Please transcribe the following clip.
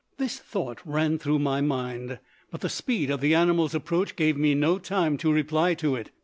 This thought ran through my mind, but the speed of the animals' approach gave me no time to reply to it.